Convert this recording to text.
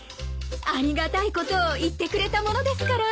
ありがたいことを言ってくれたものですから。